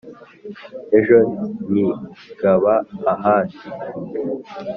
Ejo nkigaba ahandi,